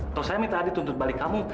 atau saya minta adit untuk balik kamu